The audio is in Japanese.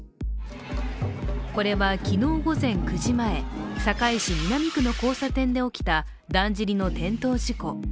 これは昨日午前９時前堺市南区の交差点で起きただんじりの転倒事故。